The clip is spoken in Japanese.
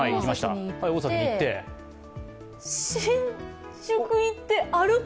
大崎に行って、新宿行って、歩く？